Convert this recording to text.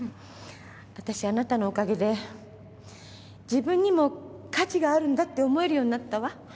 あたしあなたのおかげで自分にも価値があるんだって思えるようになったわ。